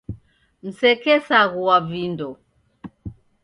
Msekesaghua vindo.